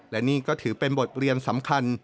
และนี่ก็ถือเป็นบทเรียนสำคัญ